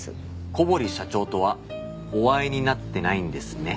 小堀社長とはお会いになってないんですね？